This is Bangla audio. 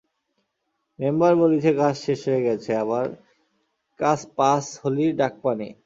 মেম্বার বলিছে কাজ শেষ হয়ে গেছে, আবার কাজ পাস হলি ডাকপানি।